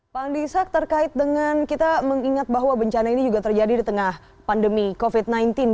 pak andi ishak terkait dengan kita mengingat bahwa bencana ini juga terjadi di tengah pandemi covid sembilan belas